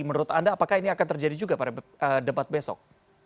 menurut anda apakah ini akan terjadi juga pada debat besok